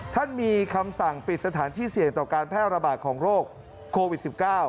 ท่านมีคำสั่งปิดสถานที่เสี่ยงต่อการแพร่ระบาดของโรคโควิด๑๙